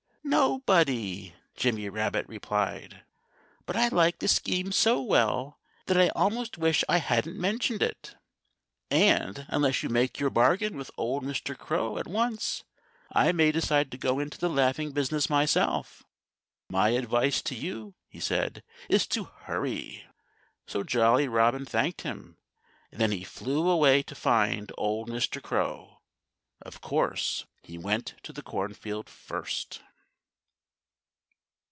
"Nobody!" Jimmy Rabbit replied. "But I like the scheme so well that I almost wish I hadn't mentioned it. And unless you make your bargain with old Mr. Crow at once I may decide to go into the laughing business myself.... My advice to you," he said, "is to hurry!" So Jolly Robin thanked him. And then he flew away to find old Mr. Crow. Of course, he went to the cornfield first.